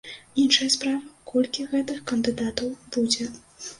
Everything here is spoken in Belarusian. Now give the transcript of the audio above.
Іншая справа, колькі гэтых кандыдатаў будзе.